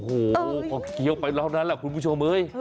โอ้โหพอเคี้ยวไปเท่านั้นแหละคุณผู้ชมเฮ้ย